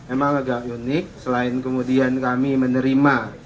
emang agak unik selain kemudian kami menerima